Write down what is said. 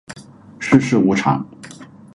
世事无常